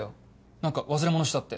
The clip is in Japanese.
何か忘れ物したって。